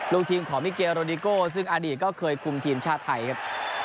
ลูกทีมของมิเกโรดิโกซึ่งอดีตก็เคยคุมทีมชาติไทยครับ